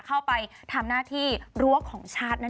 เข้าไปทำหน้าที่รั้วของชาตินั่นเอง